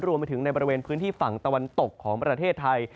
รวมไปถึงในบริเวณพื้นที่ฝั่งตะวันตกของประเทศไทย